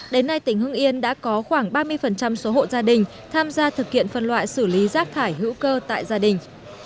đến nay tỉnh hưng yên đã có khoảng ba mươi số hộ gia đình tham gia thực hiện phân loại xử lý rác thải hữu cơ tại gia đình